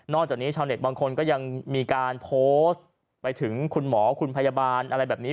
จากนี้ชาวเน็ตบางคนก็ยังมีการโพสต์ไปถึงคุณหมอคุณพยาบาลอะไรแบบนี้